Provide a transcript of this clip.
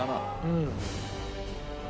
うん。